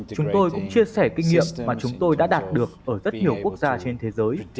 chúng tôi cũng chia sẻ kinh nghiệm mà chúng tôi đã đạt được ở rất nhiều quốc gia trên thế giới